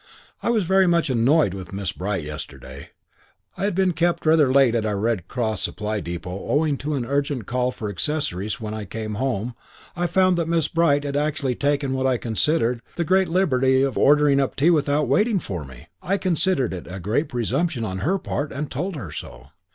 "I was very much annoyed with Miss Bright yesterday. I had been kept rather late at our Red Cross Supply Depot owing to an urgent call for accessories and when I came home I found that Miss Bright had actually taken what I consider the great liberty of ordering up tea without waiting for me. I considered it great presumption on her part and told her so.